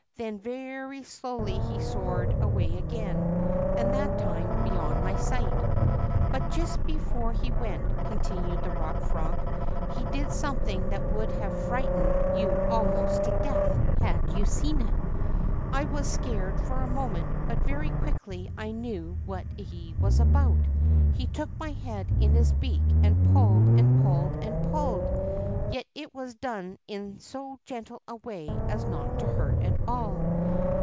Then very slowly he soared away again, and that time beyond my sight. But just before he went/' continued the Bock Frog, ^Hie did something that would have fright ened you almost to death had you seen it. I was scared for a moment, but very quickly I knew what he was about. He took my head in his beak, and pulled, and pulled, and pulled ! Yet it was done in so gentle a way as not to hurt at all.